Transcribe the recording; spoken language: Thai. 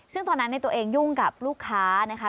ซึ่งตอนนั้นตัวเองยุ่งกับลูกค้านะคะ